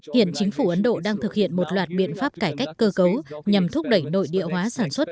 hiện chính phủ ấn độ đang thực hiện một loạt biện pháp cải cách cơ cấu nhằm thúc đẩy nội địa hóa sản xuất